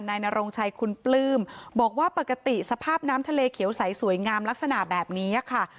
นโรงชัยคุณปลื้มบอกว่าปกติสภาพน้ำทะเลเขียวใสสวยงามลักษณะแบบนี้ค่ะ